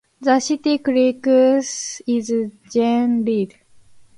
The City Clerk is Jean Reid.